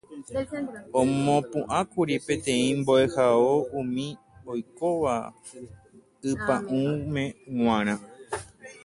Omopu'ãkuri peteĩ mbo'ehao umi oikóva ypa'ũme g̃uarã